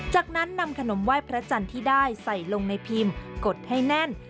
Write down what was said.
จากนั้นนำขนมไหว้พระจันทร์ที่ได้ใส่ลงในพิมพ์กดให้แน่น